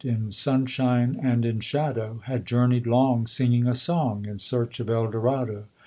In sunshine and in shadow, Had journeyed long, Singing a song, In search of Eldorado.